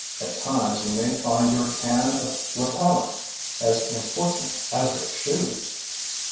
(At times you may find your can of repellent as important as your shoes!)